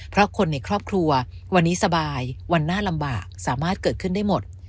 เพราะคนในครอบครัววันนี้สบายวันหน้าลำบากสามารถเกิดขึ้นได้หมด